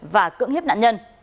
và cưỡng hiếp nạn nhân